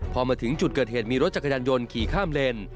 พอมาถึงจุดเกิดเหตุมีรถจักรยานยนต์ขี่ข้ามเลน